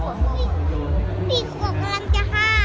๔ขวบกำลังจะ๕